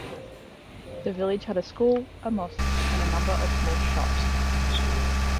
The village had a school, a mosque, and a number of small shops.